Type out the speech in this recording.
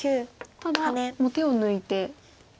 ただもう手を抜いて。